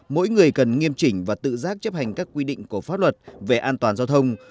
mỗi người cần nghiêm chỉnh và tự giác chấp hành các quy định của pháp luật về an toàn giao thông